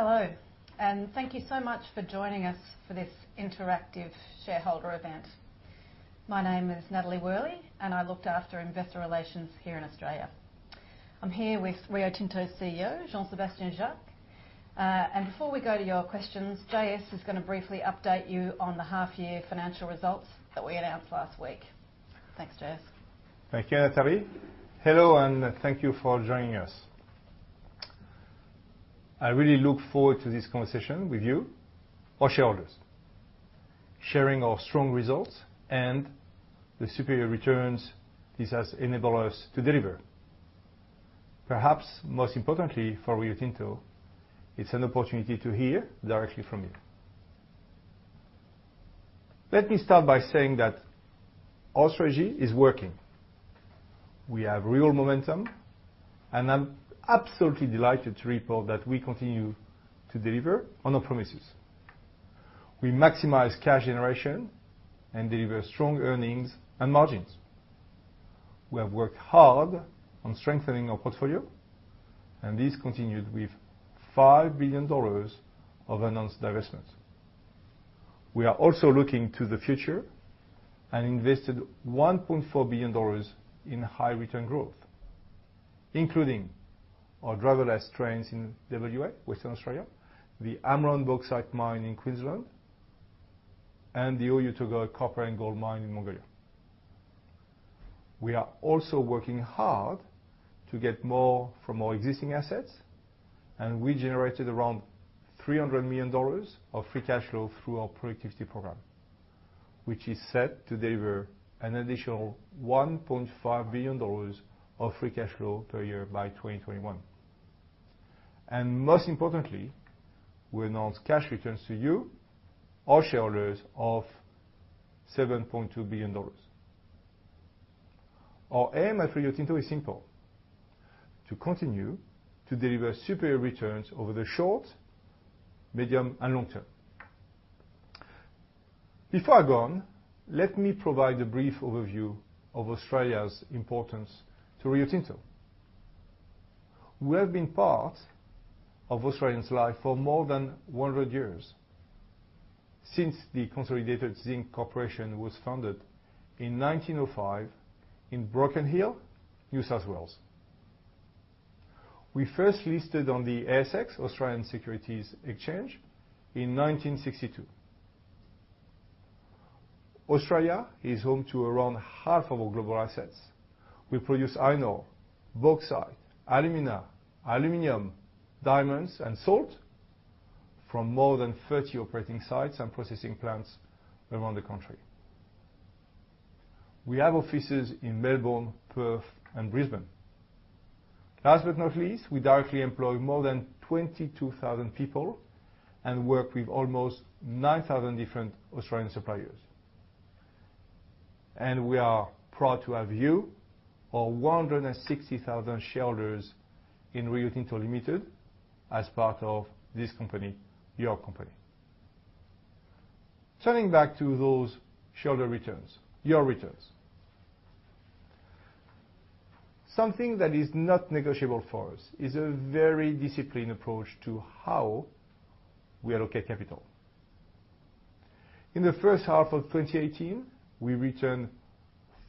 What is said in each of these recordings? Hello, thank you so much for joining us for this interactive shareholder event. My name is Natalie Worley, and I look after investor relations here in Australia. I'm here with Rio Tinto CEO, Jean-Sébastien Jacques. Before we go to your questions, J-S is going to briefly update you on the half-year financial results that we announced last week. Thanks, J-S. Thank you, Natalie. Hello, thank you for joining us. I really look forward to this conversation with you, our shareholders. Sharing our strong results and the superior returns this has enabled us to deliver. Perhaps most importantly for Rio Tinto, it's an opportunity to hear directly from you. Let me start by saying that our strategy is working. We have real momentum, and I'm absolutely delighted to report that we continue to deliver on our promises. We maximize cash generation and deliver strong earnings and margins. We have worked hard on strengthening our portfolio, and this continued with $5 billion of announced divestments. We are also looking to the future and invested $1.4 billion in high-return growth, including our driverless trains in W.A., Western Australia, the Amrun bauxite mine in Queensland, and the Oyu Tolgoi copper and gold mine in Mongolia. We are also working hard to get more from our existing assets, and we generated around $300 million of free cash flow through our productivity program, which is set to deliver an additional $1.5 billion of free cash flow per year by 2021. Most importantly, we announced cash returns to you, our shareholders, of $7.2 billion. Our aim at Rio Tinto is simple: to continue to deliver superior returns over the short, medium, and long term. Before I go on, let me provide a brief overview of Australia's importance to Rio Tinto. We have been part of Australians' life for more than 100 years, since the Consolidated Zinc Corporation was founded in 1905 in Broken Hill, New South Wales. We first listed on the ASX, Australian Securities Exchange, in 1962. Australia is home to around half of our global assets. We produce iron ore, bauxite, alumina, aluminum, diamonds, and salt from more than 30 operating sites and processing plants around the country. We have offices in Melbourne, Perth, and Brisbane. Last but not least, we directly employ more than 22,000 people and work with almost 9,000 different Australian suppliers. We are proud to have you, our 160,000 shareholders in Rio Tinto Limited, as part of this company, your company. Turning back to those shareholder returns, your returns. Something that is not negotiable for us is a very disciplined approach to how we allocate capital. In the first half of 2018, we returned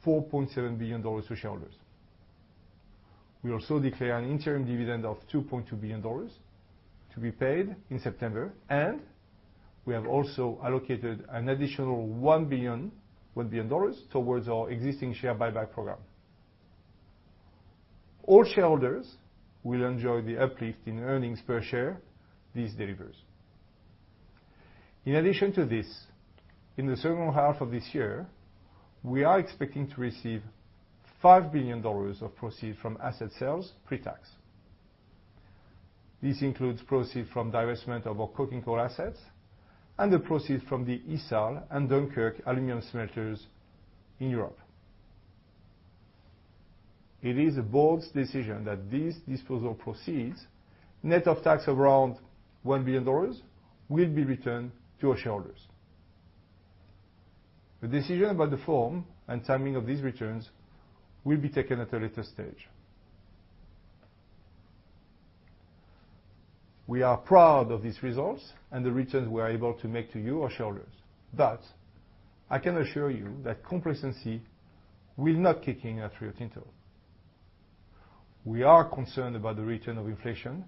$4.7 billion to shareholders. We also declare an interim dividend of $2.2 billion to be paid in September, and we have also allocated an additional $1 billion towards our existing share buyback program. All shareholders will enjoy the uplift in earnings per share this delivers. In addition to this, in the second half of this year, we are expecting to receive $5 billion of proceeds from asset sales pre-tax. This includes proceeds from divestment of our coking coal assets and the proceeds from the ISAL and Dunkirk aluminum smelters in Europe. It is the board's decision that these disposal proceeds, net of tax around $1 billion, will be returned to our shareholders. The decision about the form and timing of these returns will be taken at a later stage. We are proud of these results and the returns we are able to make to you, our shareholders. I can assure you that complacency will not kick in at Rio Tinto. We are concerned about the return of inflation,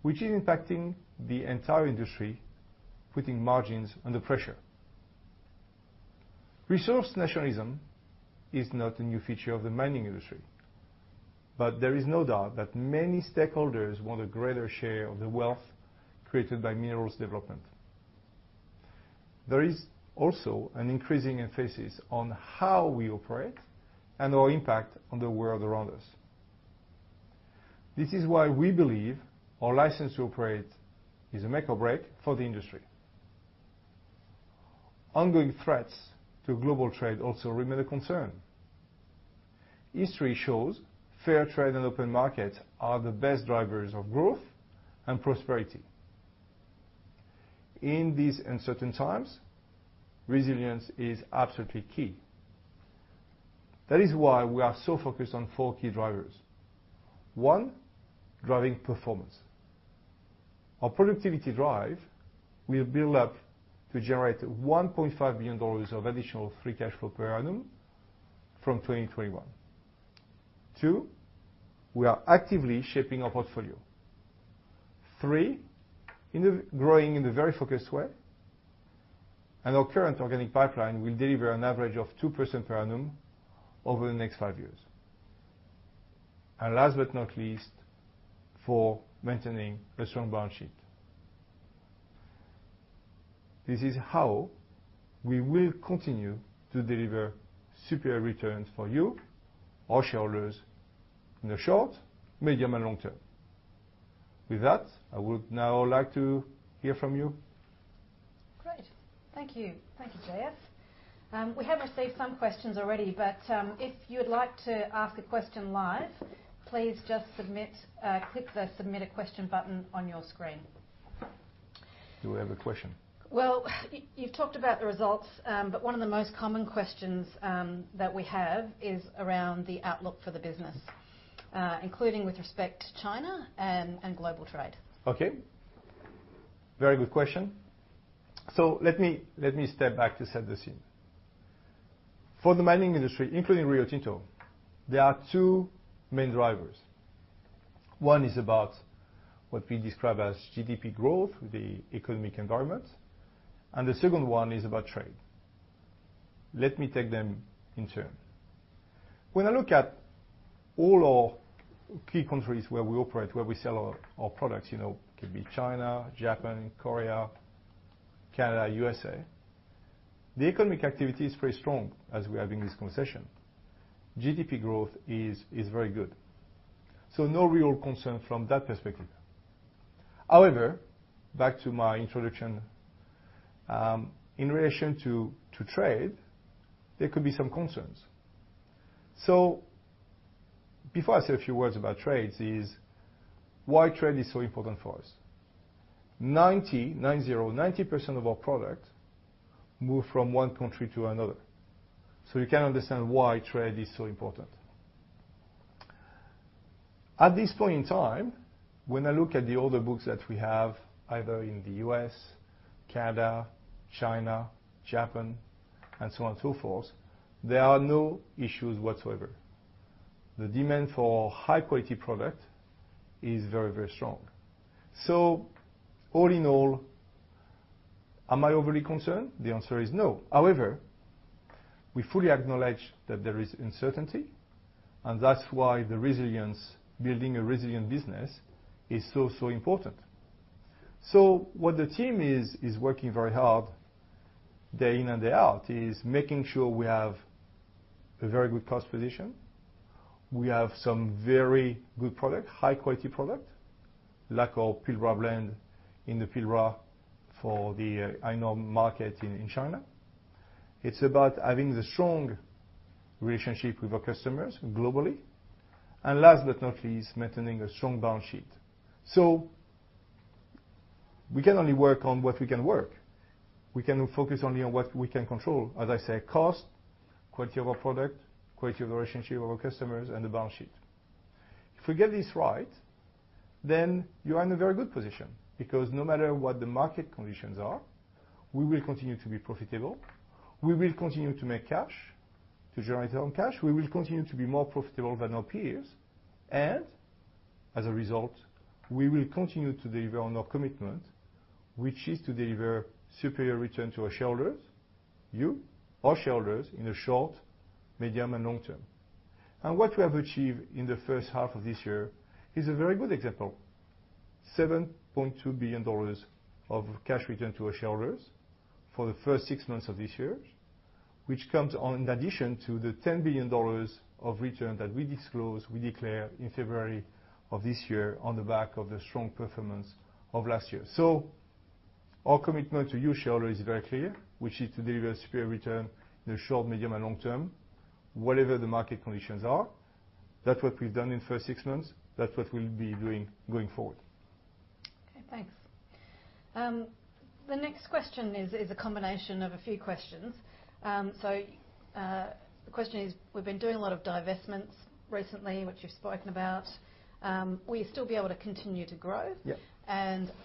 which is impacting the entire industry, putting margins under pressure. Resource nationalism is not a new feature of the mining industry. There is no doubt that many stakeholders want a greater share of the wealth created by minerals development. There is also an increasing emphasis on how we operate and our impact on the world around us. This is why we believe our license to operate is a make or break for the industry. Ongoing threats to global trade also remain a concern. History shows fair trade and open markets are the best drivers of growth and prosperity. In these uncertain times, resilience is absolutely key. We are so focused on four key drivers. One, driving performance. Our productivity drive will build up to generate $1.5 billion of additional free cash flow per annum from 2021. Two, we are actively shaping our portfolio. Three, growing in a very focused way. Our current organic pipeline will deliver an average of 2% per annum over the next five years. Last but not least, four, maintaining a strong balance sheet. This is how we will continue to deliver superior returns for you, our shareholders, in the short, medium, and long term. With that, I would now like to hear from you. Great. Thank you. Thank you, J-S. We have received some questions already. If you would like to ask a question live, please just click the Submit a Question button on your screen. Do we have a question? Well, you've talked about the results, but one of the most common questions that we have is around the outlook for the business, including with respect to China and global trade. Okay. Very good question. Let me step back to set the scene. For the mining industry, including Rio Tinto, there are two main drivers. One is about what we describe as GDP growth, the economic environment. The second one is about trade. Let me take them in turn. When I look at all our key countries where we operate, where we sell our products, it could be China, Japan, Korea, Canada, U.S.A., the economic activity is very strong as we are having this conversation. GDP growth is very good. No real concern from that perspective. However, back to my introduction, in relation to trade, there could be some concerns. Before I say a few words about trade is why trade is so important for us. 90% of our product move from one country to another. You can understand why trade is so important. At this point in time, when I look at the order books that we have, either in the U.S., Canada, China, Japan, and so on and so forth, there are no issues whatsoever. The demand for high-quality product is very strong. All in all, am I overly concerned? The answer is no. However, we fully acknowledge that there is uncertainty, and that's why the resilience, building a resilient business is so important. What the team is working very hard day in and day out is making sure we have a very good cost position. We have some very good product, high-quality product, like our Pilbara Blend in the Pilbara for the iron ore market in China. It's about having the strong relationship with our customers globally. Last but not least, maintaining a strong balance sheet. We can only work on what we can work. We can focus only on what we can control. As I say, cost, quality of our product, quality of the relationship with our customers, and the balance sheet. If we get this right, you are in a very good position because no matter what the market conditions are, we will continue to be profitable, we will continue to make cash, to generate our own cash. We will continue to be more profitable than our peers. As a result, we will continue to deliver on our commitment, which is to deliver superior return to our shareholders, you, our shareholders, in the short, medium, and long term. What we have achieved in the first half of this year is a very good example. $7.2 billion of cash return to our shareholders for the first six months of this year, which comes in addition to the $10 billion of return that we disclose, we declare in February of this year on the back of the strong performance of last year. Our commitment to you shareholders is very clear, which is to deliver superior return in the short, medium, and long term, whatever the market conditions are. That's what we've done in the first six months. That's what we'll be doing going forward. Okay, thanks. The next question is a combination of a few questions. The question is, we've been doing a lot of divestments recently, which you've spoken about. Will you still be able to continue to grow? Yeah.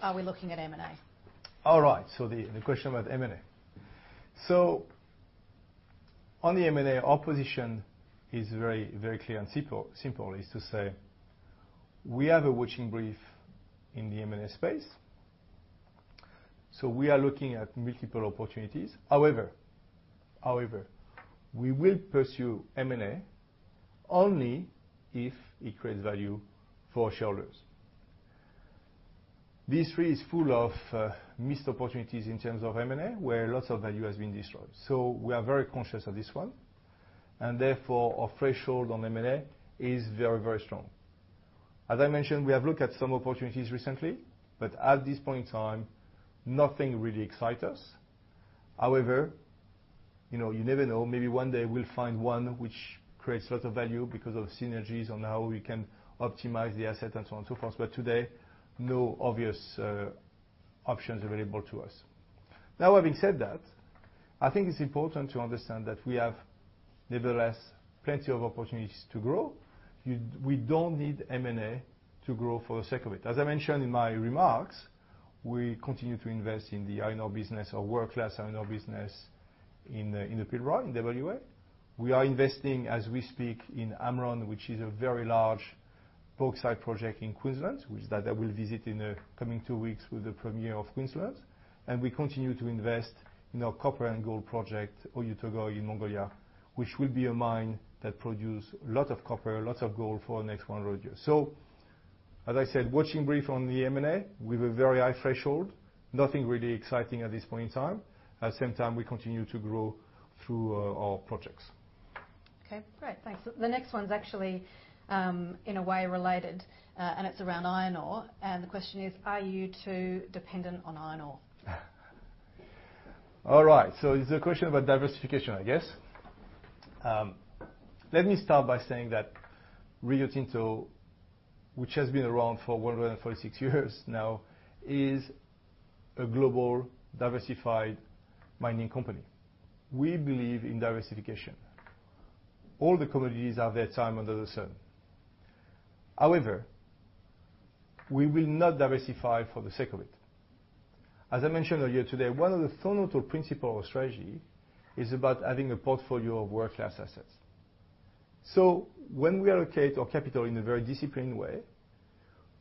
Are we looking at M&A? All right, the question about M&A. On the M&A, our position is very clear and simple, is to say we have a watching brief in the M&A space. We are looking at multiple opportunities. However, we will pursue M&A only if it creates value for our shareholders. This really is full of missed opportunities in terms of M&A, where lots of value has been destroyed. We are very conscious of this one, and therefore, our threshold on M&A is very strong. As I mentioned, we have looked at some opportunities recently, but at this point in time, nothing really excite us. However, you never know. Maybe one day we'll find one which creates a lot of value because of synergies on how we can optimize the asset and so on and so forth. Today, no obvious options available to us. Having said that, I think it's important to understand that we have nevertheless plenty of opportunities to grow. We don't need M&A to grow for the sake of it. As I mentioned in my remarks, we continue to invest in the iron ore business, our world-class iron ore business in the Pilbara in W.A. We are investing, as we speak, in Amrun, which is a very large bauxite project in Queensland, which I will visit in the coming two weeks with the Premier of Queensland. We continue to invest in our copper and gold project, Oyu Tolgoi, in Mongolia, which will be a mine that produce lot of copper, lots of gold for the next 100 years. As I said, watching brief on the M&A with a very high threshold. Nothing really exciting at this point in time. At the same time, we continue to grow through our projects. Okay, great. Thanks. The next one's actually, in a way related, and it's around iron ore, and the question is, "Are you too dependent on iron ore? All right, it's a question about diversification, I guess. Let me start by saying that Rio Tinto, which has been around for 146 years now, is a global diversified mining company. We believe in diversification. All the commodities have their time under the sun. However, we will not diversify for the sake of it. As I mentioned earlier today, one of the fundamental principle of strategy is about having a portfolio of world-class assets. When we allocate our capital in a very disciplined way,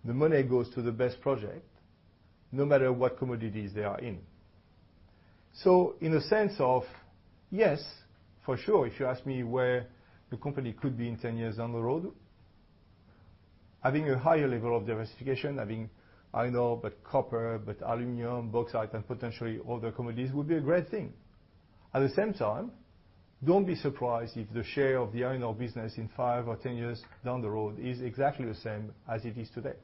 the money goes to the best project, no matter what commodities they are in. In a sense of, yes, for sure, if you ask me where the company could be in 10 years down the road, having a higher level of diversification, having iron ore, but copper, but aluminum, bauxite, and potentially other commodities, would be a great thing. At the same time, don't be surprised if the share of the iron ore business in 5 or 10 years down the road is exactly the same as it is today.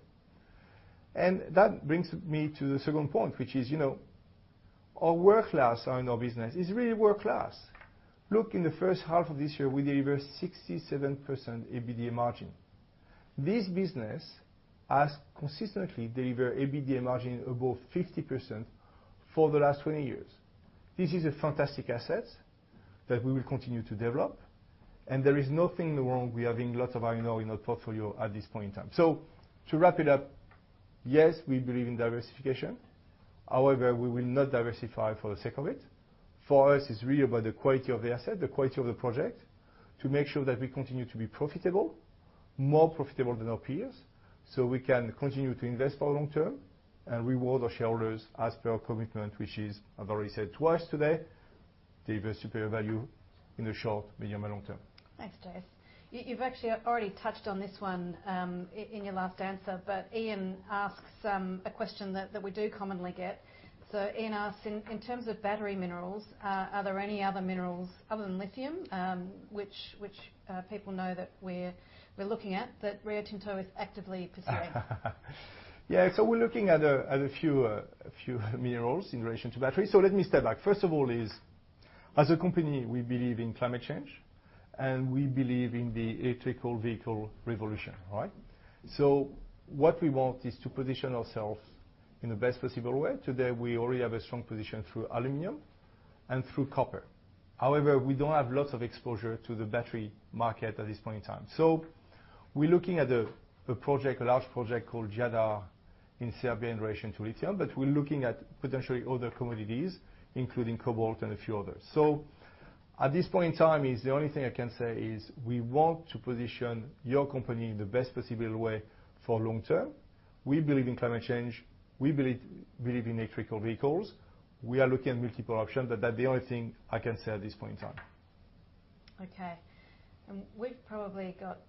That brings me to the second point, which is our world-class iron ore business is really world-class. Look, in the first half of this year, we delivered 67% EBITDA margin. This business has consistently delivered EBITDA margin above 50% for the last 20 years. This is a fantastic asset that we will continue to develop, and there is nothing wrong with having lots of iron ore in our portfolio at this point in time. To wrap it up, yes, we believe in diversification. However, we will not diversify for the sake of it. For us, it's really about the quality of the asset, the quality of the project, to make sure that we continue to be profitable, more profitable than our peers, so we can continue to invest for long term and reward our shareholders as per our commitment, which is, I've already said twice today, deliver superior value in the short, medium, and long term. Thanks, J-S. You've actually already touched on this one in your last answer, but Ian asks a question that we do commonly get. Ian asks, "In terms of battery minerals, are there any other minerals, other than lithium, which people know that we're looking at, that Rio Tinto is actively pursuing? Yeah, we're looking at a few minerals in relation to batteries. Let me step back. First of all, as a company, we believe in climate change, and we believe in the electrical vehicle revolution. All right. What we want is to position ourselves in the best possible way. Today, we already have a strong position through aluminum and through copper. However, we don't have lots of exposure to the battery market at this point in time. We're looking at a project, a large project called Jadar in Serbia in relation to lithium. We're looking at potentially other commodities, including cobalt and a few others. At this point in time, the only thing I can say is we want to position your company in the best possible way for long term. We believe in climate change. We believe in electrical vehicles. We are looking at multiple options, that's the only thing I can say at this point in time. Okay. We've probably got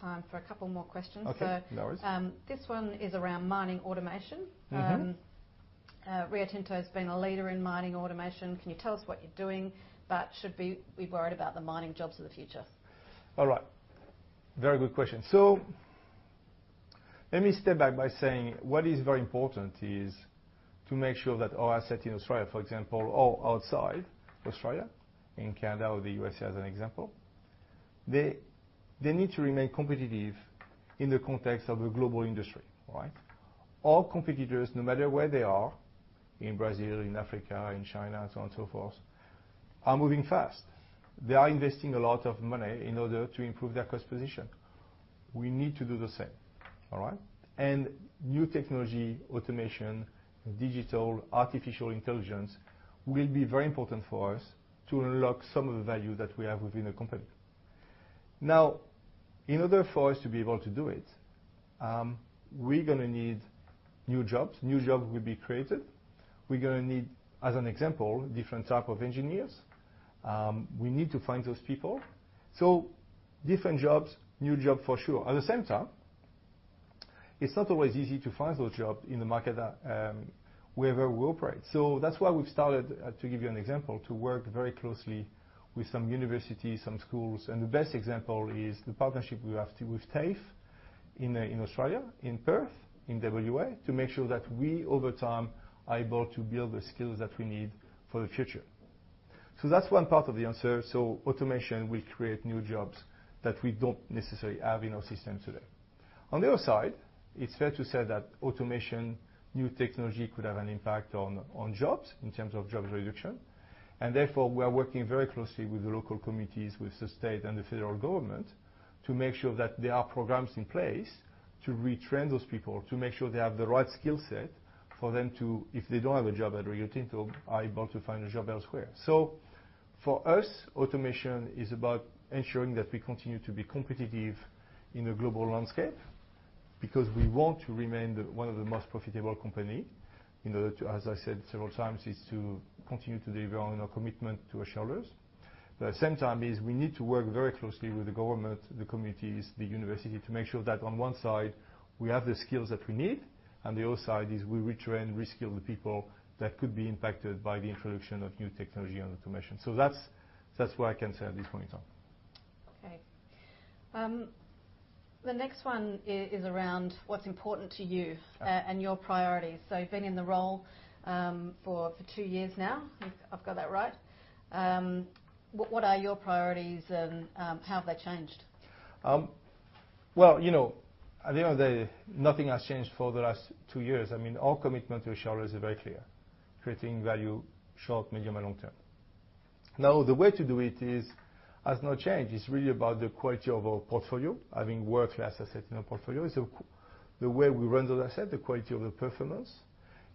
time for a couple more questions. Okay. No worries. This one is around mining automation. Rio Tinto's been a leader in mining automation. Can you tell us what you're doing? Should we be worried about the mining jobs of the future? All right. Very good question. Let me step back by saying what is very important is to make sure that our asset in Australia, for example, or outside Australia, in Canada or the U.S.A. as an example, they need to remain competitive in the context of a global industry. Right? All competitors, no matter where they are, in Brazil, in Africa, in China, so on and so forth, are moving fast. They are investing a lot of money in order to improve their cost position. We need to do the same. All right? New technology, automation, digital, artificial intelligence, will be very important for us to unlock some of the value that we have within the company. Now, in order for us to be able to do it, we're going to need new jobs. New jobs will be created. We're going to need, as an example, different type of engineers. We need to find those people. Different jobs, new job for sure. At the same time, it's not always easy to find those jobs in the market wherever we operate. That's why we've started, to give you an example, to work very closely with some universities, some schools, and the best example is the partnership we have with TAFE in Australia, in Perth, in W.A., to make sure that we, over time, are able to build the skills that we need for the future. That's one part of the answer. Automation will create new jobs that we don't necessarily have in our system today. On the other side, it's fair to say that automation, new technology, could have an impact on jobs in terms of job reduction. Therefore, we are working very closely with the local committees, with the state and the federal government, to make sure that there are programs in place to retrain those people, to make sure they have the right skill set for them, if they don't have a job at Rio Tinto, are able to find a job elsewhere. For us, automation is about ensuring that we continue to be competitive in the global landscape because we want to remain one of the most profitable company in order to, as I said several times, is to continue to deliver on our commitment to our shareholders. At the same time, is we need to work very closely with the government, the communities, the university, to make sure that on one side we have the skills that we need, and the other side is we retrain and reskill the people that could be impacted by the introduction of new technology and automation. That's what I can say at this point in time. Okay. The next one is around what's important to you and your priorities. You've been in the role for two years now, if I've got that right. What are your priorities and how have they changed? Well, at the end of the day, nothing has changed for the last two years. Our commitment to our shareholders are very clear: creating value short, medium, and long term. Now, the way to do it has not changed. It's really about the quality of our portfolio, having world-class assets in our portfolio. The way we run those assets, the quality of the performance,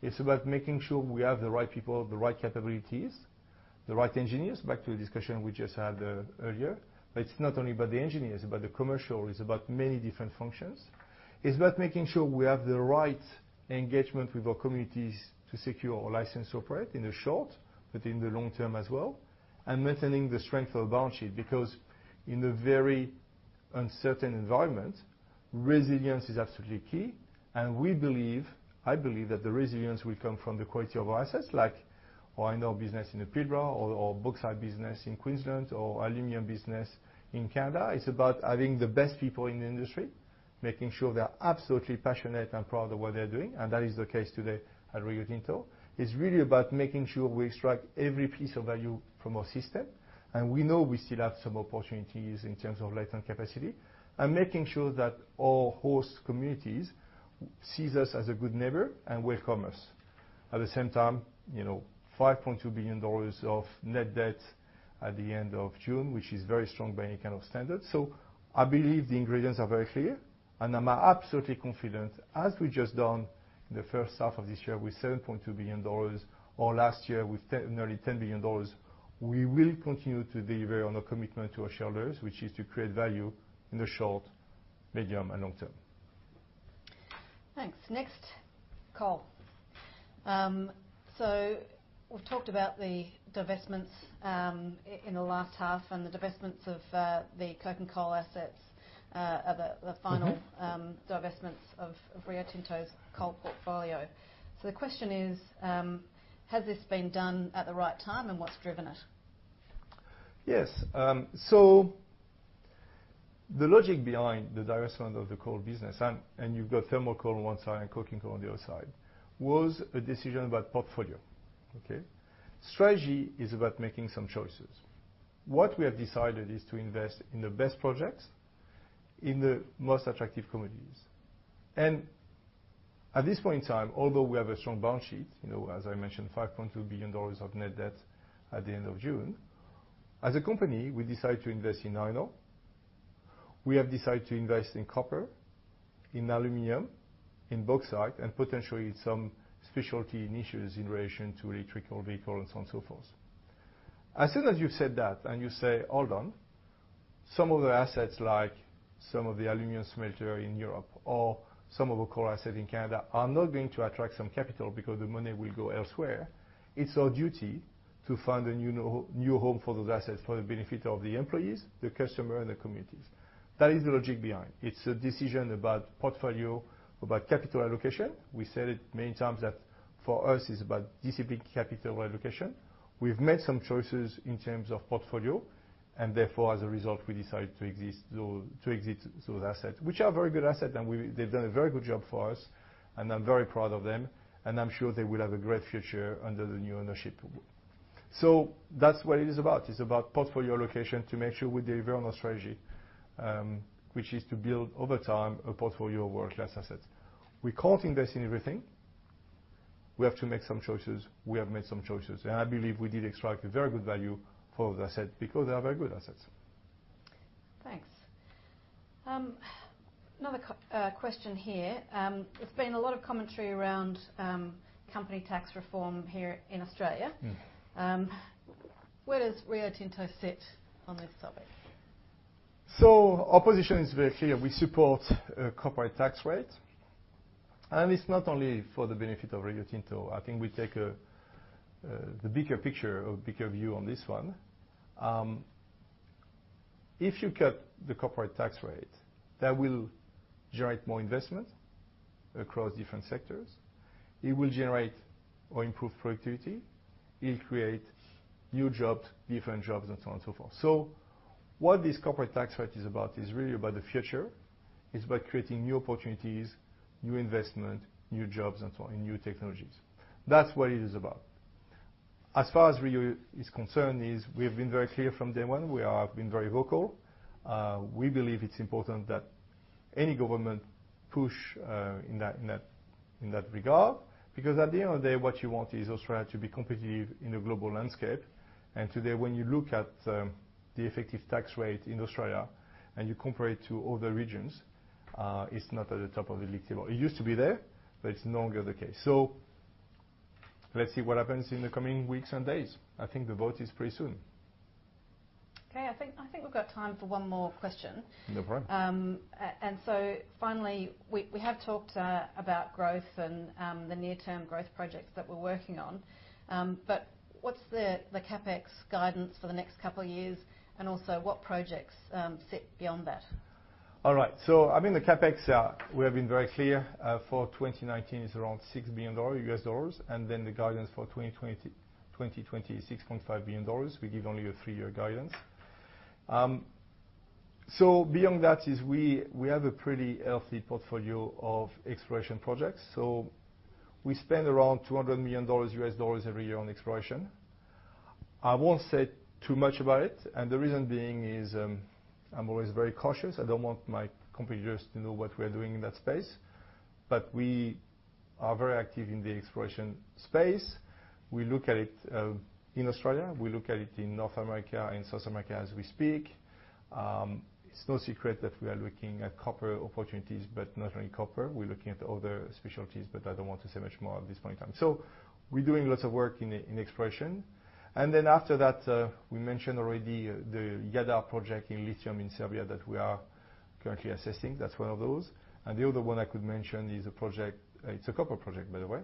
it's about making sure we have the right people, the right capabilities, the right engineers, back to the discussion we just had earlier. It's not only about the engineers, it's about the commercial, it's about many different functions. It's about making sure we have the right engagement with our communities to secure our license to operate in the short, but in the long term as well. Maintaining the strength of our balance sheet because in a very uncertain environment, resilience is absolutely key, and we believe, I believe that the resilience will come from the quality of our assets like our iron ore business in the Pilbara or bauxite business in Queensland or aluminum business in Canada. It's about having the best people in the industry, making sure they are absolutely passionate and proud of what they're doing, and that is the case today at Rio Tinto. It's really about making sure we extract every piece of value from our system, and we know we still have some opportunities in terms of latent capacity. Making sure that our host communities sees us as a good neighbor and welcome us. At the same time, $5.2 billion of net debt at the end of June, which is very strong by any kind of standard. I believe the ingredients are very clear, and I'm absolutely confident, as we've just done the first half of this year with $7.2 billion, or last year with nearly $10 billion, we will continue to deliver on our commitment to our shareholders, which is to create value in the short, medium, and long term. Thanks. Next, coal. We've talked about the divestments in the last half and the divestments of the coking coal assets are the final divestments of Rio Tinto's coal portfolio. The question is, has this been done at the right time, and what's driven it? Yes. The logic behind the divestment of the coal business, and you've got thermal coal on one side and coking coal on the other side, was a decision about portfolio. Okay? Strategy is about making some choices. What we have decided is to invest in the best projects in the most attractive commodities. At this point in time, although we have a strong balance sheet, as I mentioned, $5.2 billion of net debt at the end of June, as a company, we decided to invest in iron ore. We have decided to invest in copper, in aluminum, in bauxite, and potentially some specialty initiatives in relation to electrical vehicle and so on and so forth. As soon as you've said that and you say, "Hold on. Some of the assets, like some of the aluminum smelter in Europe or some of our coal asset in Canada are not going to attract some capital because the money will go elsewhere, it's our duty to find a new home for those assets for the benefit of the employees, the customer, and the communities. That is the logic behind. It's a decision about portfolio, about capital allocation. We said it many times that for us it's about disciplined capital allocation. We've made some choices in terms of portfolio, and therefore, as a result, we decided to exit those assets. Which are very good asset, and they've done a very good job for us, and I'm very proud of them, and I'm sure they will have a great future under the new ownership. That's what it is about. It's about portfolio allocation to make sure we deliver on our strategy, which is to build, over time, a portfolio of world-class assets. We can't invest in everything. We have to make some choices. We have made some choices. I believe we did extract a very good value for those assets because they are very good assets. Thanks. Another question here. There's been a lot of commentary around company tax reform here in Australia. Where does Rio Tinto sit on this topic? Our position is very clear. It's not only for the benefit of Rio Tinto. I think we take the bigger picture or bigger view on this one. If you cut the corporate tax rate, that will generate more investment across different sectors. It will generate or improve productivity. It'll create new jobs, different jobs, and so on and so forth. What this corporate tax rate is about is really about the future. It's about creating new opportunities, new investment, new jobs and so on, new technologies. That's what it is about. As far as Rio is concerned, we have been very clear from day one. We have been very vocal. We believe it's important that any government push in that regard. At the end of the day, what you want is Australia to be competitive in the global landscape. Today, when you look at the effective tax rate in Australia and you compare it to other regions, it's not at the top of the league table. It used to be there, but it's no longer the case. Let's see what happens in the coming weeks and days. I think the vote is pretty soon. Okay. I think we've got time for one more question. No problem. Finally, we have talked about growth and the near-term growth projects that we're working on. What's the CapEx guidance for the next couple of years, and also what projects sit beyond that? All right. The CapEx, we have been very clear, for 2019 it's around $6 billion. The guidance for 2020 is $6.5 billion. We give only a three-year guidance. Beyond that is we have a pretty healthy portfolio of exploration projects. We spend around $200 million every year on exploration. I won't say too much about it, and the reason being is I'm always very cautious. I don't want my competitors to know what we are doing in that space. We are very active in the exploration space. We look at it in Australia, we look at it in North America and South America as we speak. It's no secret that we are looking at copper opportunities. Not only copper, we're looking at other specialties, but I don't want to say much more at this point in time. We're doing lots of work in exploration. After that, we mentioned already the Jadar project in lithium in Serbia that we are currently assessing. That's one of those. The other one I could mention is a project, it's a copper project, by the way,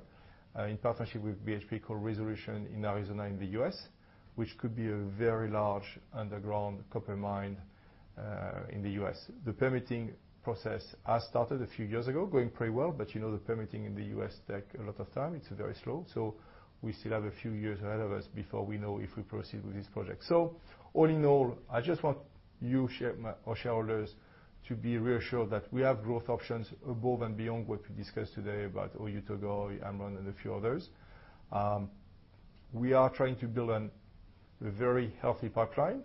in partnership with BHP called Resolution in Arizona in the U.S., which could be a very large underground copper mine in the U.S. The permitting process has started a few years ago, going pretty well, but you know the permitting in the U.S. takes a lot of time. It's very slow. We still have a few years ahead of us before we know if we proceed with this project. All in all, I just want you, our shareholders, to be reassured that we have growth options above and beyond what we discussed today about Oyu Tolgoi, Amrun, and a few others. We are trying to build a very healthy pipeline,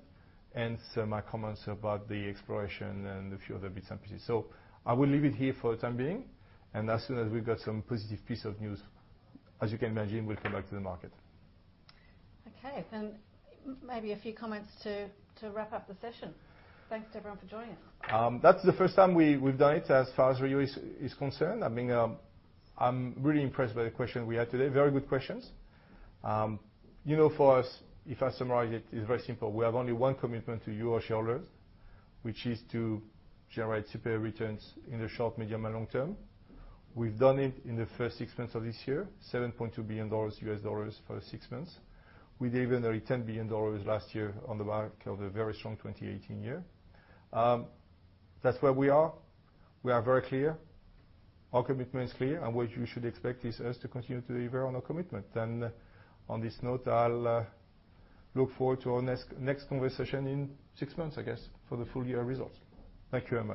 hence my comments about the exploration and a few other bits and pieces. I will leave it here for the time being, as soon as we've got some positive piece of news, as you can imagine, we'll come back to the market. Okay, maybe a few comments to wrap up the session. Thanks to everyone for joining us. That's the first time we've done it as far as Rio is concerned. I'm really impressed by the questions we had today. Very good questions. For us, if I summarize it's very simple. We have only one commitment to you, our shareholders, which is to generate superior returns in the short, medium, and long term. We've done it in the first six months of this year, $7.2 billion U.S. dollars for six months. We delivered $10 billion last year on the back of a very strong 2017 year. That's where we are. We are very clear, our commitment is clear, what you should expect is us to continue to deliver on our commitment. On this note, I'll look forward to our next conversation in six months, I guess, for the full-year results. Thank you very much